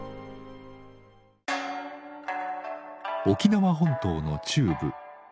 沖縄本島の中部。